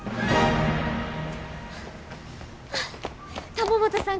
玉本さん